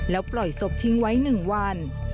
แล้วปล่อยศพทิ้งไว้๑วัน